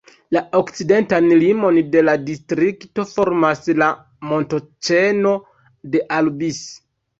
La okcidentan limon de la distrikto formas la montoĉeno de Albis.